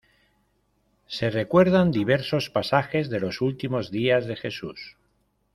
Se recuerdan diversos pasajes de los últimos días de Jesús.